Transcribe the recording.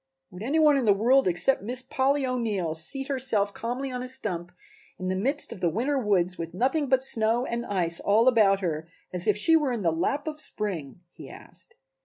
"Would any one in the world except Miss Polly O'Neill seat herself calmly on a stump in the midst of the winter woods with nothing but snow and ice all about her as if she were in the lap of spring?" he asked.